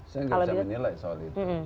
saya nggak bisa menilai soal itu